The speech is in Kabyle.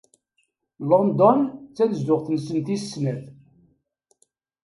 London d tanezduɣt-nsen tis snat.